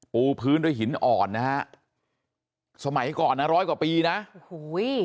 ปูพื้นด้วยหินอ่อนนะฮะสมัยก่อนนะร้อยกว่าปีนะโอ้โห